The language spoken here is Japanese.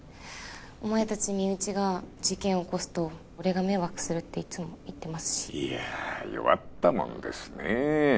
お前達身内が事件起こすと俺が迷惑するっていつも言ってますしいや弱ったもんですね